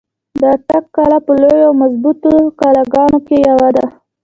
د اټک قلا په لويو او مضبوطو قلاګانو کښې يوه ده۔